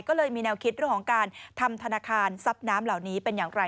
ก็เลยมีแนวคิดเรื่องของการทำธนาคารทรัพย์น้ำเหล่านี้เป็นอย่างไร